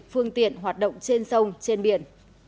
phương tiện hoạt động trên sông trên biển